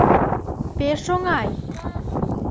Пеш оҥай!..